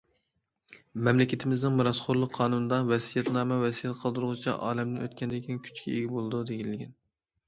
مەملىكىتىمىزنىڭ مىراسخورلۇق قانۇنىدا:« ۋەسىيەتنامە ۋەسىيەت قالدۇرغۇچى ئالەمدىن ئۆتكەندىن كېيىن كۈچكە ئىگە بولىدۇ» دېيىلگەن.